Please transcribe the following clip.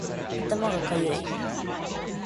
頭がかゆい